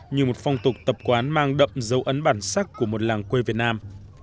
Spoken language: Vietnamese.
như một phong tục tập quán mang đậm dấu ấn bản sắc của một làng quê việt nam